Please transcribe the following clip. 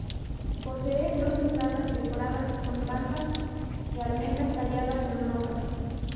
Posee dos entradas, decoradas con valvas de almejas talladas en roca.